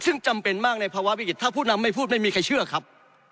ซึ่งจำเป็นมากในภาวะวิกฤตถ้าผู้นำไม่พูดไม่มีใครเชื่อครับ